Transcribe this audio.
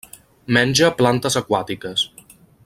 Menja plantes aquàtiques.